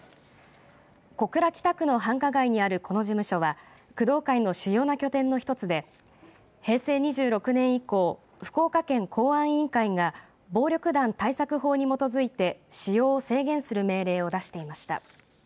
小倉北区の繁華街にあるこの事務所は工藤会の主要な拠点の１つで平成２６年以降福岡県公安委員会が暴力団対策法に基づいて使用を制限する命令を出していました。